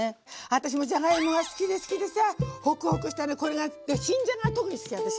私もじゃがいもが好きで好きでさぁホクホクして新じゃがが特に好き私は。